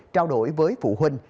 trao đổi với phụ huynh